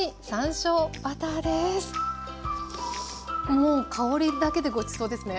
もう香りだけでごちそうですね。